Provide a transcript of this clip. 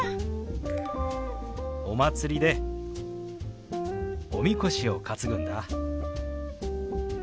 お祭りでおみこしを担ぐんだ。